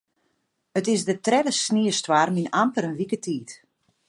It is de tredde sniestoarm yn amper in wike tiid.